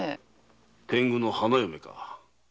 天狗の花嫁か。